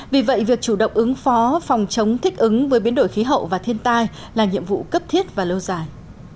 vì vậy việc chủ động ứng phó phòng chống thích ứng với biến đổi khí hậu và thiên tai là nhiệm vụ cấp thiết và lâu dài